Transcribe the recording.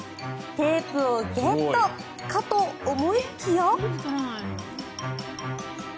テープをゲットかと思いきや。